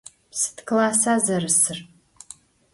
Sıd klassa zerısır?